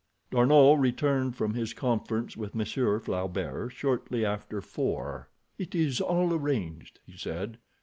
D'Arnot returned from his conference with Monsieur Flaubert shortly after four. "It is all arranged," he said.